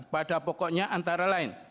pada pokoknya antara lain